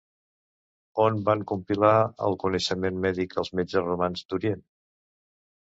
On van compilar el coneixement mèdic els metges romans d'Orient?